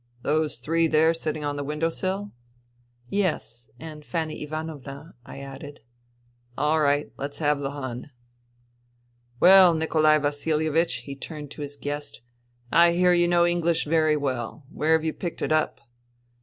..."" Those three there sitting on the window sill ?"." Yes. ... And Fanny Ivanovna," I added. " All right. Let's have the Hun. " Well, Nikolai VasiHevich," he turned to his guest. " I hear you know English very w^ell. Where have you picked it up